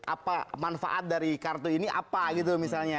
apa manfaat dari kartu ini apa gitu misalnya